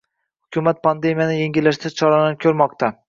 Hukumat pandemiyani kamaytirish choralarini ko'rmoqda